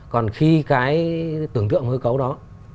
còn khi cái tưởng tượng hướng cấu đó